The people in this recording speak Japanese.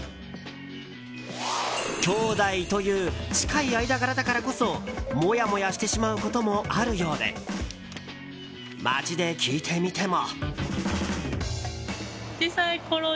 きょうだいという近い間柄だからこそモヤモヤしてしまうこともあるようで街で聞いてみても。